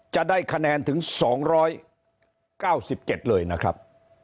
จะได้คะแนนถึง๒๙๗เลยนะครับ